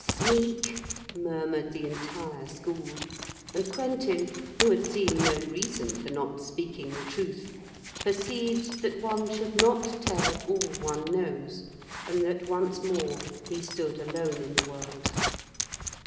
'Sneak!' murmured the entire school, and Quentin, who had seen no reason for not speaking the truth, perceived that one should not tell all one knows, and that once more he stood alone in the world.